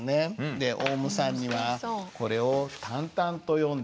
でオウムさんにはこれを淡々と読んで頂いて。